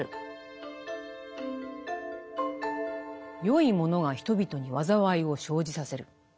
善いものが人々に災いを生じさせる。